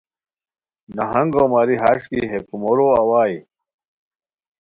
نہنگو ماری ہݰ کی ہے کومورو اوائے